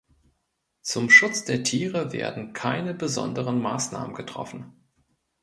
Zum Schutz der Tiere werden keine besonderen Maßnahmen getroffen.